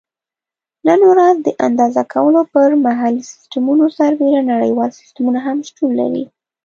نن ورځ د اندازه کولو پر محلي سیسټمونو سربیره نړیوال سیسټمونه هم شتون لري.